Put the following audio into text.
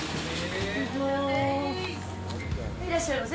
いらっしゃいませ。